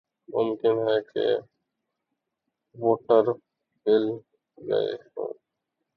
ممکن ہے کہ ووٹر بدل گئے ہوں۔